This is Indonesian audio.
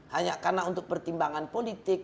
hanya karena untuk pertimbangan politik